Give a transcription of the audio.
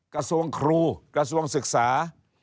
กระทรวงครูกระทรวงศึกษา